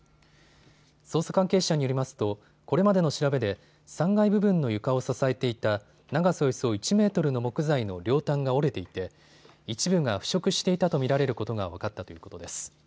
捜査関係者によりますとこれまでの調べで３階部分の床を支えていた長さおよそ１メートルの木材の両端が折れていて一部が腐食していたと見られることが分かったということです。